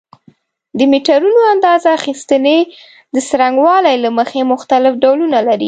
د میټرونو اندازه اخیستنې د څرنګوالي له مخې مختلف ډولونه لري.